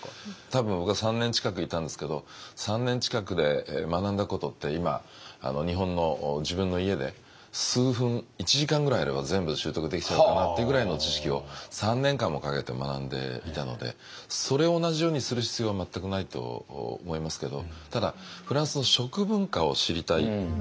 多分僕は３年近くいたんですけど３年近くで学んだことって今日本の自分の家で数分１時間ぐらいあれば全部習得できちゃうかなっていうぐらいの知識を３年間もかけて学んでいたのでそれを同じようにする必要は全くないと思いますけどただフランスの食文化を知りたい。